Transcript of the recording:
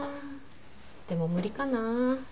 でも無理かな？